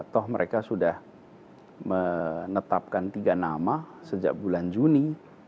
toh mereka sudah menetapkan tiga nama sejak bulan juni